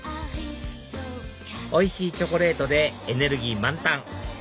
おいしいチョコレートでエネルギー満タン！